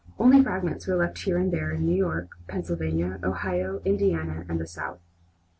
Only fragments were left here and there, in New York, Pennsylvania, Ohio, Indiana, and the South.